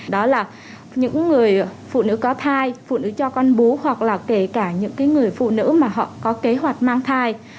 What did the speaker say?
đó là những người phụ nữ có thai phụ nữ cho con bú hoặc là kể cả những người phụ nữ mà họ có kế hoạch mang thai